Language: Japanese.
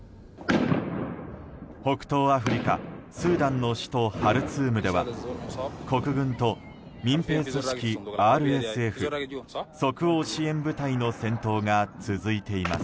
北東アフリカ、スーダンの首都ハルツームでは国軍と民兵組織ＲＳＦ・即応支援部隊の戦闘が続いています。